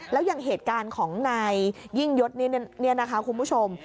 แล้วยังเหตุการณ์ของในยิ่งยศเนียนนะคะคุณผู้ชม